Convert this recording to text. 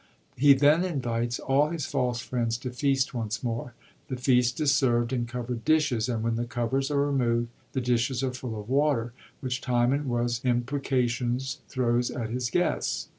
He then invites all his false friends to feast once more. The feast is servd in coverd dishes ; and when the covers are removed the dishes are full of water, which Timon with impreca tions throws at his guests.